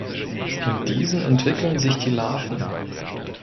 In diesen entwickeln sich die Larven.